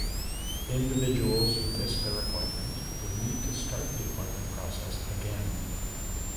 Individuals who missed their appointment would need to start the appointment process again.